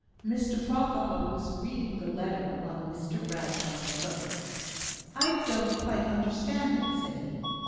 Mr Farquhar was reading the letter while Mr Bradshaw spoke. "I don't quite understand it," said he.